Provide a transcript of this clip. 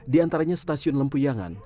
diantaranya stasiun lempuyangan